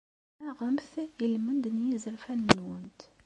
Nnaɣemt i lmend n yizerfan-nwent.